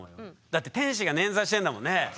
だって天使が捻挫してんだもんねえ。